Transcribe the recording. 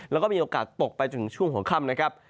แล้วก็มีโอกาสตกไปจนถึงช่วงหัวค่ำนะครับ